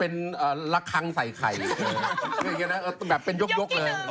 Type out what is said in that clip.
เป็นละครั้งใส่ไข่แบบเป็นยกเลย